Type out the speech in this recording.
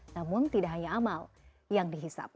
namun tidak hanya amal yang dihisap